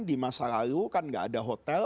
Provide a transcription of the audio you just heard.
di masa lalu kan nggak ada hotel